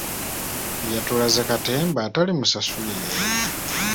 Yatulaze katemba atali musasulire.